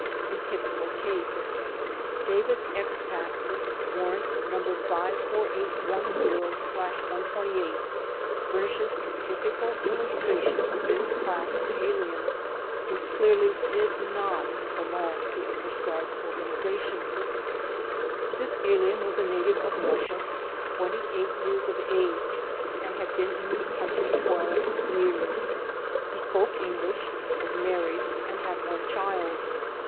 A Typical Case* David Expak (Warrant No. 54810/128) furnishes a typical illustration of this class of alien who clearly did not belong to a proscribed organization. This alien was a native of Russia, twenty eight years of age, and had been in this country twelve years. He spoke English, was married and had one child.